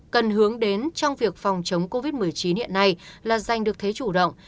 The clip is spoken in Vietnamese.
cần hướng đến trong việc phòng chống covid một mươi chín hiện nay là giành được thế chủ động